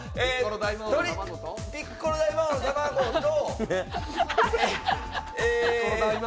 ピッコロ大魔王の卵と。